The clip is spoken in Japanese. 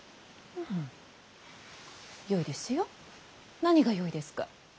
何がよいですか？